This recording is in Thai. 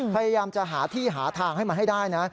พยายามจะหาที่หาทางให้มันให้ได้นะ